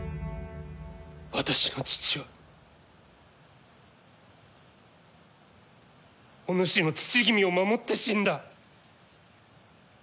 私の父はお主の父君を守って死んだ。